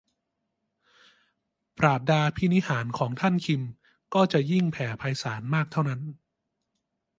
ปราบดาภินิหารย์ของท่านคิมก็จะยิ่งแผ่ไพศาลมากเท่านั้น